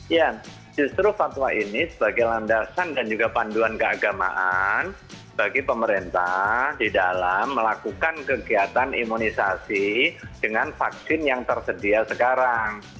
ya justru fatwa ini sebagai landasan dan juga panduan keagamaan bagi pemerintah di dalam melakukan kegiatan imunisasi dengan vaksin yang tersedia sekarang